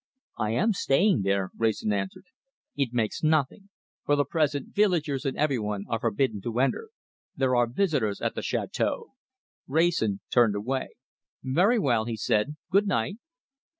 "I am staying there," Wrayson answered. "It makes nothing. For the present, villagers and every one are forbidden to enter. There are visitors at the château." Wrayson turned away. "Very well," he said. "Good night!"